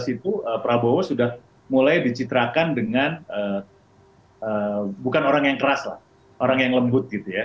dua ribu sembilan belas itu prabowo sudah mulai dicitrakan dengan bukan orang yang keras lah orang yang lembut gitu ya